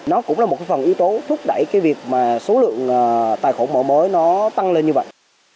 nó cũng là một phần yếu tố thúc đẩy cái việc mà số lượng tài khổ mở mới nó tăng lên như vậy